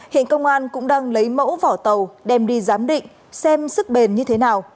hiện công an cũng đang lấy mẫu vỏ tàu đem đi giám định xem sức bền như thế nào